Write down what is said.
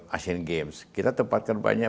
asian games kita tempatkan banyak